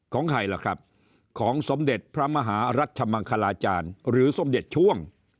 ของใครล่ะครับของสมเด็จพระมหารัชมังคลาจารย์หรือสมเด็จช่วง